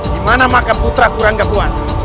dimana makan putra kurang kebuan